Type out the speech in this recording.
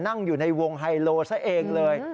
นั่งอยู่ในวงไฮโลซะเองเลย